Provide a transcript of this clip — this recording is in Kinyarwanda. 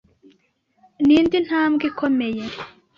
Ni indi ntambwe ikomeye